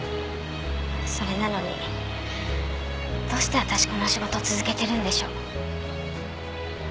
それなのにどうして私この仕事続けてるんでしょう。